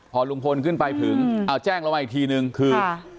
พอลุงพลขึ้นไปถึงเอาแจ้งเรามาอีกทีนึงคือ